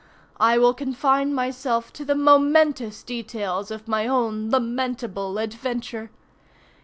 I will confine myself to the momentous details of my own lamentable adventure.